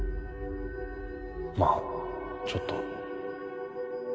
まあちょっとは。